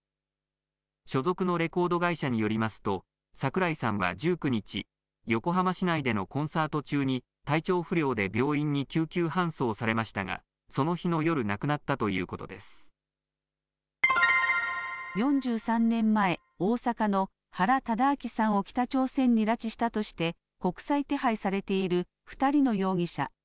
所属のレコード会社によりますと、櫻井さんは１９日、横浜市内でのコンサート中に、体調不良で病院に救急搬送されましたが、その日の夜、亡くなった４３年前、大阪の原敕晁さんを北朝鮮に拉致したとして、国際手配されている２人の容疑者。